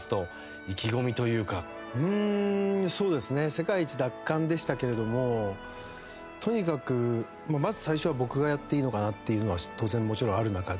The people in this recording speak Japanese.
世界一奪還でしたけれどもとにかくまず最初は僕がやっていいのかなっていうのは当然もちろんある中で。